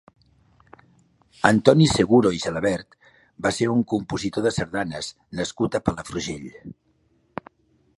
Antoni Seguro i Gelabert va ser un compositor de sardanes nascut a Palafrugell.